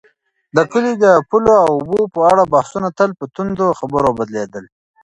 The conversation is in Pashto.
د کلي د پولو او اوبو په اړه بحثونه تل په توندو خبرو بدلېدل.